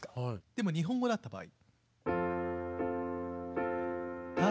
でも日本語だった場合。